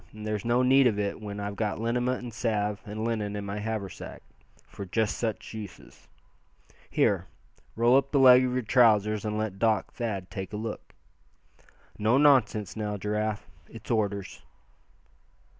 And there's no need of it when I've got liniment and salve and linen in my haversack, for just such uses. Here, roll up the leg of your trousers and let Doc Thad take a look. No nonsense, now, Giraffe. It's orders."